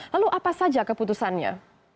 lalu apa saja keputusannya